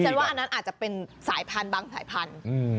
นี่จะว่าอันนั้นอาจจะเป็นสายพันบ้างสายพันอืม